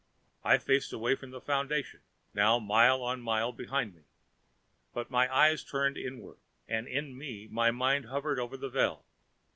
I faced away from the Foundation, now mile on mile behind me. But my eyes turned inward, and in me my mind hovered over the Veld.